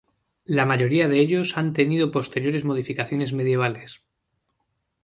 La mayoría de ellos han tenido posteriores modificaciones medievales.